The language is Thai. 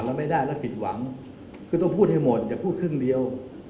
เราไม่ได้แล้วผิดหวังคือต้องพูดให้หมดอย่าพูดครึ่งเดียว